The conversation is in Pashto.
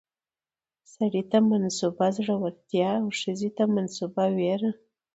سړي ته منسوبه زړورتيا او ښځې ته منسوبه ويره